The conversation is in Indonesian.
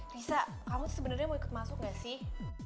riza kamu tuh sebenernya mau ikut masuk gak sih